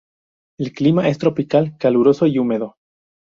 El clima es tropical: caluroso y húmedo.